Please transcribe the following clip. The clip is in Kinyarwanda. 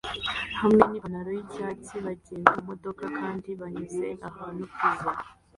hamwe nipantaro yicyatsi bagenda mumodoka kandi banyuze ahantu pizza